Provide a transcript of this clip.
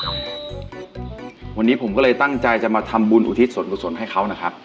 วันนี้ผมก็เลยตั้งใจจะมาทำบุญอุทิศส่วนกุศลให้เขานะครับ